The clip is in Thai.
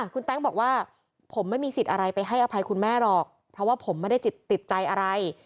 คุณแต๊งบอกว่าผมไม่มีสิทธิ์อะไรไปให้อภัยคุณแม่หรอกเพราะว่าผมไม่ได้ติดใจอะไร